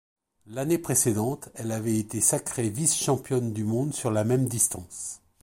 L'année précédente, elle avait été sacrée vice-championne du monde sur la même distance.